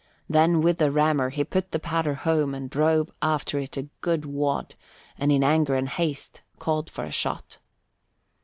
Then with the rammer he put the powder home and drove after it a good wad and in anger and haste called for a shot.